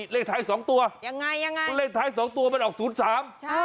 เลขท้าย๒ตัวเลขท้าย๒ตัวมันออกศูนย์๓